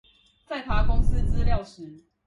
在爬公司資料時